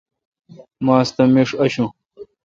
ماستہ میݭ آݭوں۔